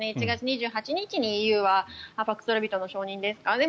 １月２８日にＥＵはパクスロビドの承認ですか。